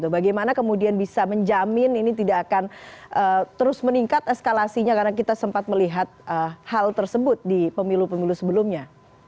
bagaimana kemudian bisa menjamin ini tidak akan terus meningkat eskalasinya karena kita sempat melihat hal tersebut di pemilu pemilu sebelumnya